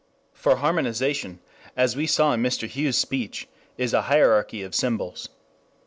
For harmonization, as we saw in Mr. Hughes's speech, is a hierarchy of symbols.